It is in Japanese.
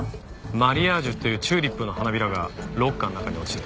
マリアージュっていうチューリップの花びらがロッカーの中に落ちてた。